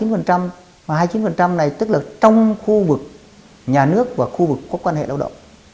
và hai mươi chín này tức là trong khu vực nhà nước và khu vực quốc quan hệ lao động